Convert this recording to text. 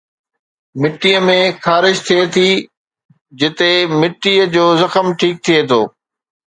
مٿي ۾ خارش ٿئي ٿي جتي مٿي جو زخم ٺيڪ ٿئي ٿو